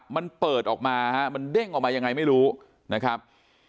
มันเปิดออกมาฮะมันเด้งออกมายังไงไม่รู้นะครับ